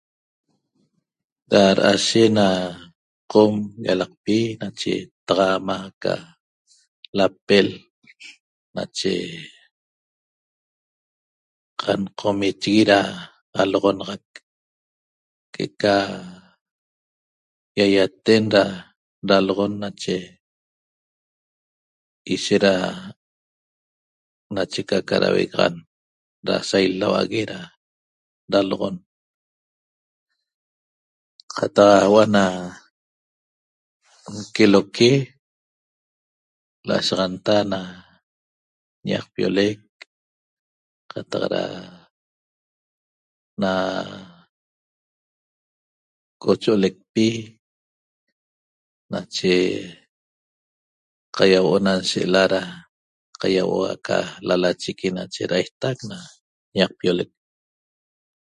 Da dashe na qom llalaqpi ena lapel camcomichihue na noxonaxaq eca iaiaten da laloxon nache ishet eca ishet da davexan da sailavague da laloxon cataq huoo na nqueloque laxashianta ñaqpioleq cataq ena cocholeqpi caiahuoo na nshela na caiahuoo na lalachiqui ma daisteq na ñaqpioleq